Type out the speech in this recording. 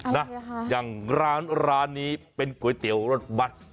ลานนี้เป็นก๋วยเตี๋ยวรสบัส